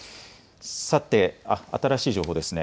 さて新しい情報ですね。